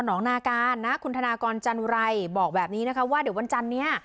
องนาการนะคุณธนากรจันอุไรบอกแบบนี้นะคะว่าเดี๋ยววันจันทร์นี้